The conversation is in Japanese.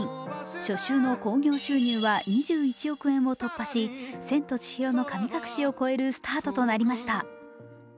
初週の興行収入は２１億円を突破し「千と千尋の神隠し」を超えるスタートとなりました。